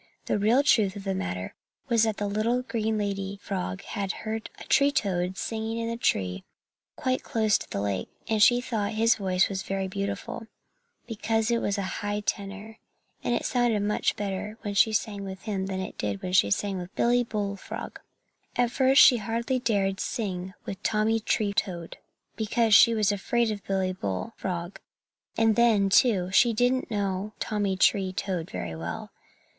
The real truth of the matter was that the little green lady frog had heard a tree toad singing in a tree quite close to the lake, and she thought his voice very beautiful, because it was a high tenor, and it sounded much better when she sang with him than it did when she sang with Billy Bull Frog. At first she hardly dared sing with Tommy Tree Toad, because she was afraid of Billy Bull Frog, and then, too, she didn't know Tommy Tree Toad very well.